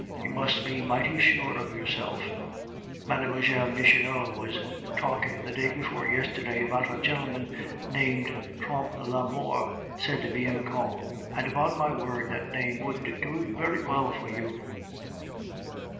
"You must be mighty sure of yourself." "Mlle. Michonneau was talking the day before yesterday about a gentleman named Trompe la Mort," said Bianchon; "and, upon my word, that name would do very well for you."